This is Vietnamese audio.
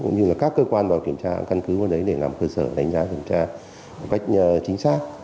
cũng như là các cơ quan vào kiểm tra căn cứ vào đấy để làm cơ sở đánh giá kiểm tra một cách chính xác